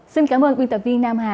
xin cảm ơn biên tập viên nam hà